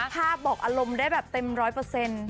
ภาพบอกอารมณ์ได้แบบเต็มร้อยเปอร์เซ็นต์